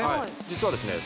実はですね